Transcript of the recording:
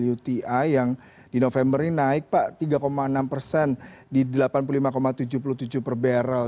uti yang di november ini naik pak tiga enam persen di delapan puluh lima tujuh puluh tujuh per barrel